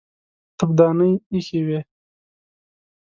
تفدانۍ ايښې وې.